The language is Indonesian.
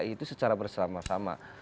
itu secara bersama sama